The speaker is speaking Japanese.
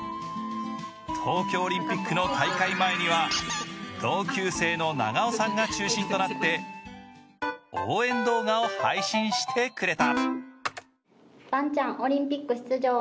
東京オリンピックの大会前には同級生の長尾さんが中心となって応援動画を配信してくれた。